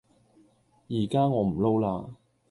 依家我唔撈喇